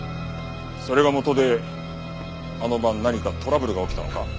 それがもとであの晩何かトラブルが起きたのか？